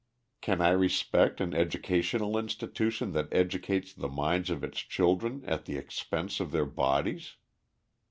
Can I respect an educational institution that educates the minds of its children at the expense of their bodies?